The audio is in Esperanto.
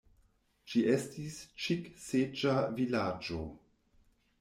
Ĝi estis ĉik-seĝa vilaĝo.